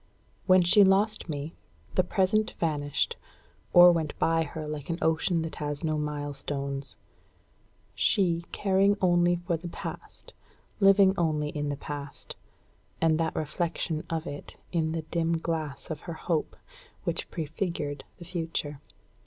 When she lost me, the Present vanished, or went by her like an ocean that has no milestones; she caring only for the Past, living only in the Past, and that reflection of it in the dim glass of her hope, which prefigured the Future.